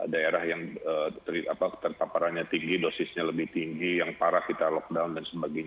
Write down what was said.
daerah yang terpaparannya tinggi dosisnya lebih tinggi yang parah kita lockdown dan sebagainya